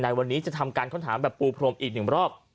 วันนี้จะทำการค้นหาแบบปูพรมอีกหนึ่งรอบ